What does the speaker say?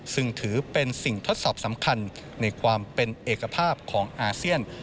ซึ่งถือเป็นสิ่งทดสอบสำคัญในความเป็นเอกภาพของอาเซียน